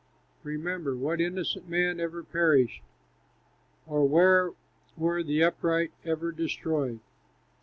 Remember! What innocent man ever perished? Or where were the upright ever destroyed?